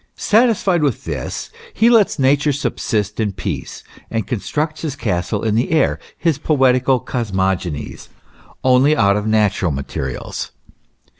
Satisfied with this, he lets Nature subsist in peace, and constructs his castles in the air, his poetical cosmogonies, only out of natural materials.